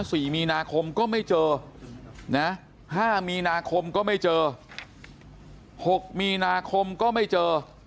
สี่มีนาคมก็ไม่เจอนะห้ามีนาคมก็ไม่เจอหกมีนาคมก็ไม่เจอ